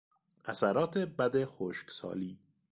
اثرات بد خشکسالی